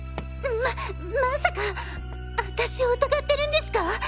ままさかあたしを疑ってるんですか！